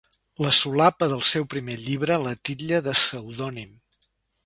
La solapa del seu primer llibre la titlla de pseudònim.